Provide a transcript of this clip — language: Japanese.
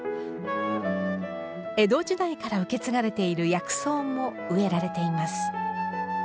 江戸時代から受け継がれている薬草も植えられています。